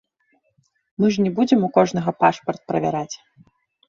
Мы ж не будзем у кожнага пашпарт правяраць.